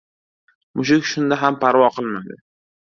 Mushuk shunda ham parvo qilmadi.